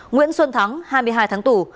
nguyễn xuân thắng hai mươi hai tháng tù